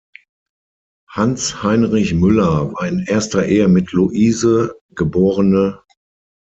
Hans Heinrich Müller war in erster Ehe mit Luise geb.